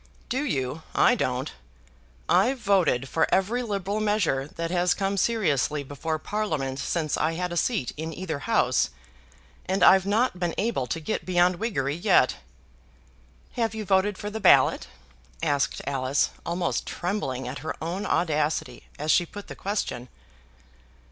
"Do you? I don't. I've voted for every liberal measure that has come seriously before Parliament since I had a seat in either House, and I've not been able to get beyond Whiggery yet." "Have you voted for the ballot?" asked Alice, almost trembling at her own audacity as she put the question.